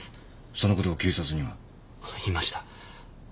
その事を警察には？言いました。